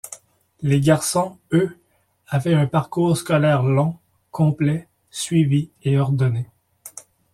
Les garçons, eux, avaient un parcours scolaire long, complet, suivi et ordonné.